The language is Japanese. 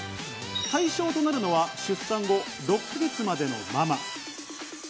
対象となるのは出産後６か月までのママ。